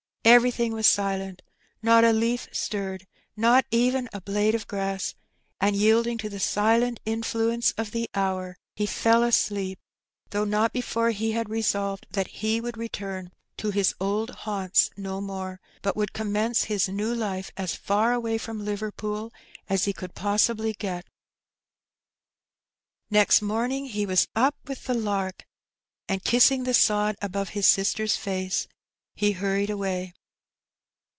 Everything was silent; not a leaf stirred, not even a blade of grass; and yielding to the silent in fluence of the hour, he fell asleep, though not before he had resolved that he would return to his old haunts no more, but would commence his new life as fistr away from Liver pool as he could possibly get. Next morning he was up with the lark, and kissing the sod above his sister's face, he hurried away.